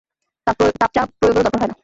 তাপ-চাপ প্রয়োগেরও দরকার হয় না।